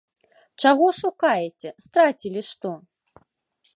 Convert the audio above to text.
Чаго шукаеце, страцілі што?